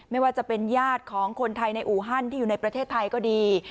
ไม่ว่าจะเป็นญาติของคนไทยในอูฮันที่อยู่ในประเทศไทยก็ดี